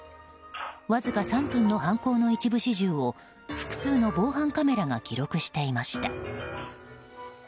わずか３分の犯行の一部始終を複数の防犯カメラが記録していました。